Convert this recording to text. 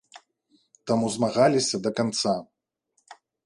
Таму змагаліся да канца.